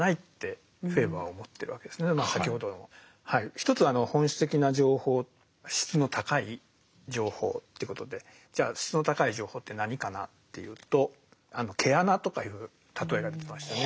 一つは本質的な情報質の高い情報ってことでじゃあ質の高い情報って何かなっていうとあの「毛穴」とかいう例えが出てきましたね。